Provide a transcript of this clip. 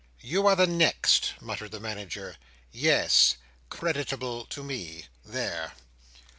"You are the next?" muttered the Manager. "Yes! Creditable to me! There!"